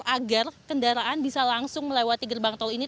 agar kendaraan bisa langsung melewati gerbang tol ini